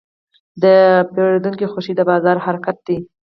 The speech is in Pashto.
د پیرودونکي خوښي د بازار حرکت دی.